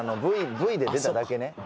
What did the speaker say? Ｖで出ただけね。